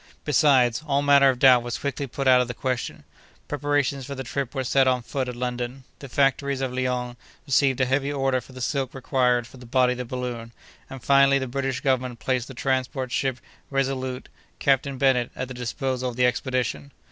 Besides, all manner of doubt was quickly put out of the question: preparations for the trip were set on foot at London; the factories of Lyons received a heavy order for the silk required for the body of the balloon; and, finally, the British Government placed the transport ship Resolute, Captain Bennett, at the disposal of the expedition.